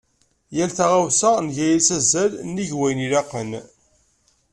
Yal taɣawsa nga-as azal nnig wayen ilaqen.